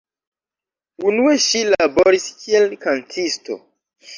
Unue ŝi laboris kiel kantisto.